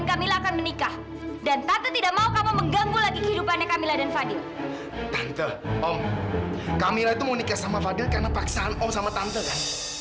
kamilah itu mau nikah sama fadil karena paksaan om sama tante kan